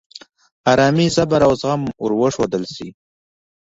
آرامي، صبر، او زغم ور وښودل شي.